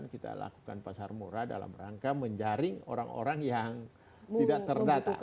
kita lakukan pasar murah dalam rangka menjaring orang orang yang tidak terdata